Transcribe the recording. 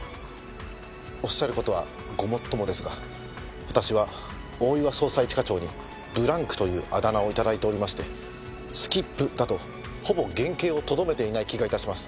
おっしゃる事はごもっともですが私は大岩捜査一課長に「ブランク」というあだ名を頂いておりまして「スキップ」だとほぼ原形をとどめていない気が致します。